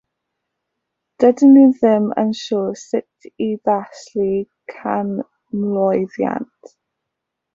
Dydyn nhw ddim yn siŵr sut i ddathlu'r canmlwyddiant.